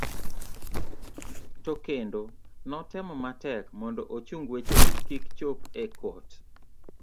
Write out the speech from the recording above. to kendo notemo matek mondo ochung wechegi kik chop e kot